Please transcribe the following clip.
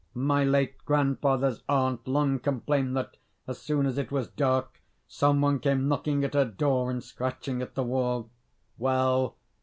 My late grandfather's aunt long complained that, as soon as it was dark, some one came knocking at her door and scratching at the wall. Well!